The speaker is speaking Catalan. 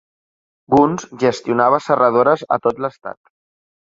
Gunns gestionava serradores a tot l'estat.